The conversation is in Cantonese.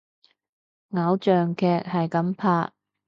偶像劇係噉拍！